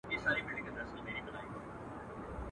زه منکره درته نه یم په لوی خدای دي زما قسم وي.